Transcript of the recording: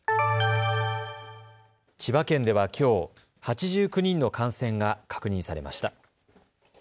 千葉県ではきょう８９人の感染が確認されました。